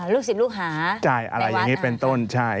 ลูกศิษย์ลูกหาในวัดค่ะใช่อะไรอย่างนี้เป็นต้นใช่